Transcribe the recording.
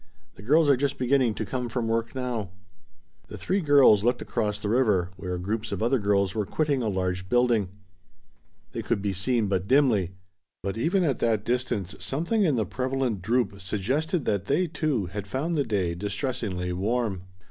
The girls are just beginning to come from work now." The three girls looked across the river, where groups of other girls were quitting a large building. They could be seen but dimly, but even at that distance something in the prevalent droop suggested that they, too, had found the day "distressingly warm."